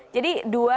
jadi dua satu satu